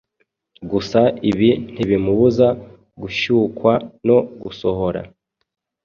Gusa ibi ntibimubuza gushyukwa no gusohora